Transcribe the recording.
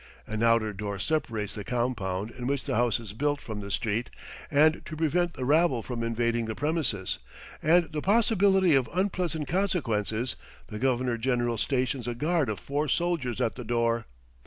An outer door separates the compound in which the house is built from the street, and to prevent the rabble from invading the premises, and the possibility of unpleasant consequences, the Governor General stations a guard of four soldiers at the door.